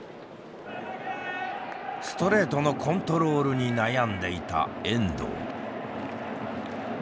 ストレートのコントロールに悩んでいた遠藤。